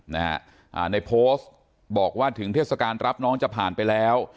นะฮะอ่าในโพสต์บอกว่าถึงเทศกาลรับน้องจะผ่านไปแล้ว